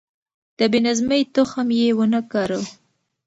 د بې نظمۍ تخم يې ونه کره.